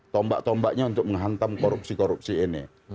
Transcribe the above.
tombak tombaknya untuk menghantam korupsi korupsi ini